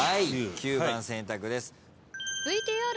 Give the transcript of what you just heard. ９番選択です。